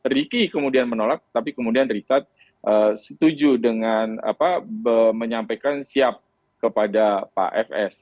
ricky kemudian menolak tapi kemudian richard setuju dengan menyampaikan siap kepada pak fs